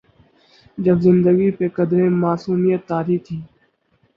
جب زندگی پہ قدرے معصومیت طاری تھی۔